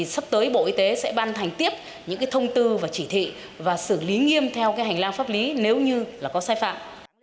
sắp tới bộ y tế sẽ ban hành tiếp những thông tư và chỉ thị và xử lý nghiêm theo hành lang pháp lý nếu như có sai phạm